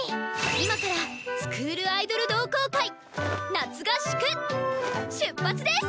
今からスクールアイドル同好会夏合宿出発です！